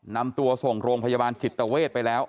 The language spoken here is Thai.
นำตัวส่งโรงพยาบาลจิตเวทไปแล้ว